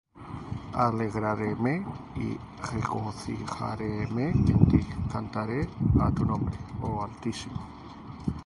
Alegraréme y regocijaréme en ti: Cantaré á tu nombre, oh Altísimo;